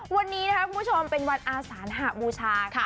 วันนี้นะคะคุณผู้ชมเป็นวันอาสานหบูชาค่ะ